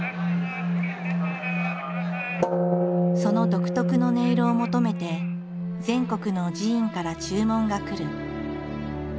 その独特の音色を求めて全国の寺院から注文が来る。